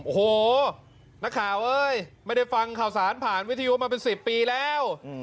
โอ้โหนักข่าวเอ้ยไม่ได้ฟังข่าวสารผ่านวิทยุมาเป็น๑๐ปีแล้ว